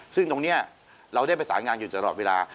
ซึ่งตรงนี้เราได้ประสานงานอยู่ตลอดเวลา